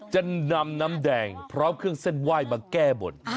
จะนำน้ำแดงพร้อมเครื่องเส้นไหว้มาแก้บน